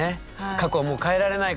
過去はもう変えられないからね。